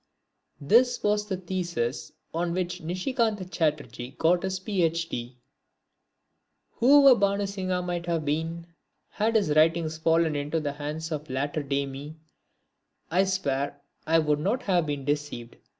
This was the thesis on which Nishikanta Chatterjee got his Ph. D.! Whoever Bhanu Singha might have been, had his writings fallen into the hands of latter day me, I swear I would not have been deceived.